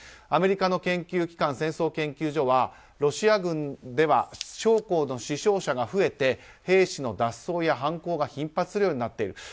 アメリカの研究機関戦争研究所はロシア軍では将校の死傷者が増えて兵士の脱走や反抗が頻発するようになっている。